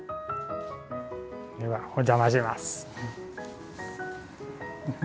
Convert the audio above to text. ではお邪魔します。